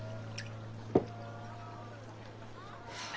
はあ。